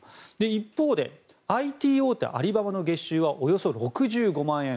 一方で、ＩＴ大手アリババの月収はおよそ６５万円。